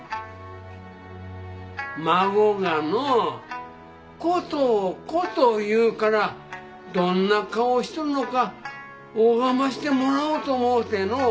孫がのコトーコトー言うからどんな顔しとるのか拝ましてもらおうと思うての。